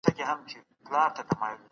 لیکوال له ساده ژبي کار اخیستی دئ.